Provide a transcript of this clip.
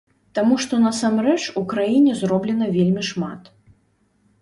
Таму што насамрэч у краіне зроблена вельмі шмат.